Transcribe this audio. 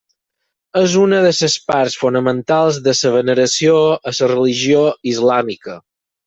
És una de les parts fonamentals de la veneració en la religió islàmica.